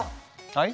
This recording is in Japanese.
はい。